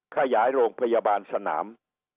ขยายโรงพยาบาลสนาม